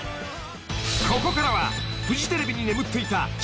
［ここからは］